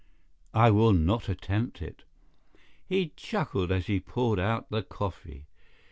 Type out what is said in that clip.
"I will not attempt it." He chuckled as he poured out the coffee.